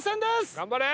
頑張れ！